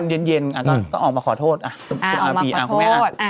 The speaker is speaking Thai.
เมื่อตอนเย็นก็ออกมาขอโทษอ่าออกมาขอโทษ